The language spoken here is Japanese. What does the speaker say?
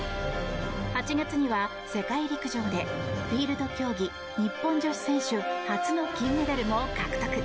８月には世界陸上でフィールド競技日本女子選手初の金メダルを獲得。